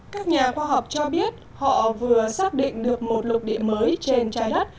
các nhà khoa học cho biết họ vừa xác định được một lục địa mới trên trái đất